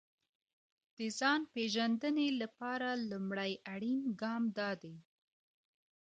د ځان پېژندنې لپاره لومړی اړين ګام دا دی.